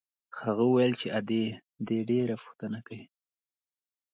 هغه وويل چې ادې دې ډېره پوښتنه کوي.